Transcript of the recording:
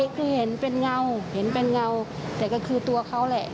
คือเห็นเป็นเงาแต่ก็คือตัวเขาแหละ